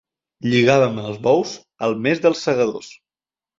Lligàvem els bous al mes dels segadors.